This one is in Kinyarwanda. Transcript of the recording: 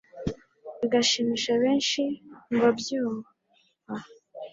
bigashimisha benshi mu bayumva.